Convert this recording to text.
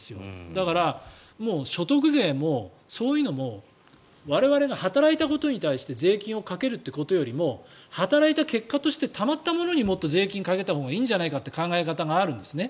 だから所得税もそういうのも我々が働いたことに対して税金をかけることよりも働いた結果としてたまったものにもっと税金をかけてもいいんじゃないかという考え方があるんですね。